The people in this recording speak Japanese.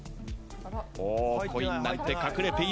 おコインなんて隠れていない。